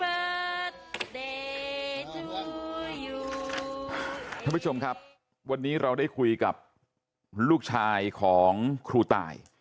ท่านผู้ชมครับวันนี้เราได้คุยกับลูกชายของครูตาย